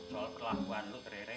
soal perlakuan lu ke rere